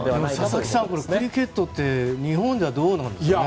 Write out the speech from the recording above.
佐々木さん、クリケットは日本ではどうなんですかね。